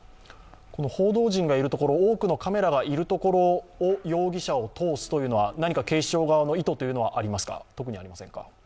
報道陣がいるところ、多くのカメラがいるところを容疑者を通すというのは警視庁側の意図はありますか？